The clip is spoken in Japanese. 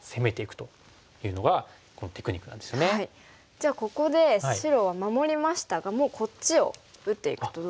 じゃあここで白は守りましたがもうこっちを打っていくとどうですか？